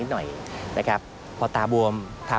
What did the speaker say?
พบหน้าลูกแบบเป็นร่างไร้วิญญาณ